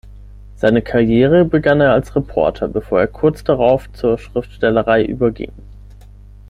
Seine Karriere begann er als Reporter, bevor er kurz darauf zur Schriftstellerei überging.